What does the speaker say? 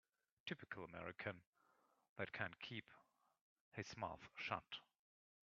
Typical American that can keep his mouth shut.